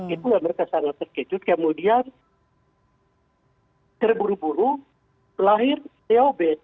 itulah mereka sangat terkejut kemudian terburu buru lahir dob